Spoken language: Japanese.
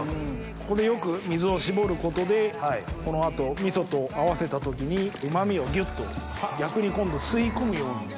ここでよく水を絞ることでこの後味噌と合わせた時にうま味をギュっと逆に今度吸い込むように。